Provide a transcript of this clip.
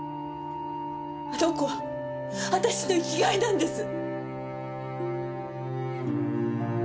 あの子は私の生き甲斐なんです！